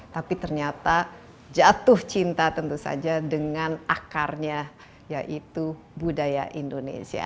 tapi ternyata jatuh cinta tentu saja dengan akarnya yaitu budaya indonesia